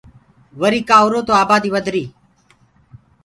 وريٚ ڪآ هُرو تو آباديٚ وڌريٚ۔